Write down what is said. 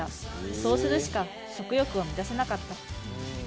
そうするしか食欲を満たせなかった。